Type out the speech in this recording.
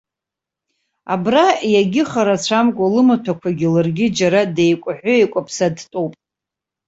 Абра иагьыхарацәамкәа, лымаҭәақәагьы ларгьы џьара деикәаҳәы-еикәаԥса дтәоуп!